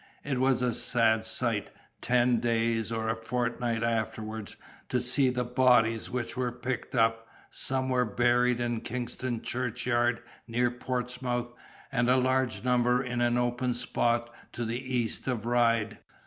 It was a sad sight, ten days or a fortnight afterwards, to see the bodies which were picked up; some were buried in Kingston churchyard, near Portsmouth, and a large number in an open spot to the east of Ryde.